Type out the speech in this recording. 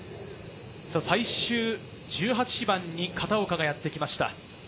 最終１８番に片岡がやってきました。